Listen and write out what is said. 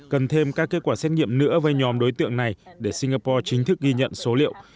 cần thêm các kết quả xét nghiệm nữa với nhóm đối tượng này để singapore chính thức ghi nhận số liệu